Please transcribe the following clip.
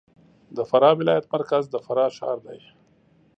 د فراه ولایت مرکز د فراه ښار دی